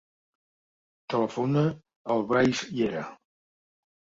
Telefona al Brais Llera.